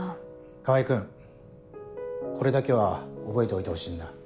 川合君これだけは覚えておいてほしいんだ。